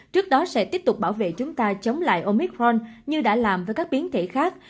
trước đó sẽ tiếp tục bảo vệ chúng ta chống lại omitron như đã làm với các biến thể khác